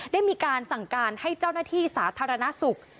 ได้มีการสั่งการให้เจ้าหน้าที่สาธารณสุข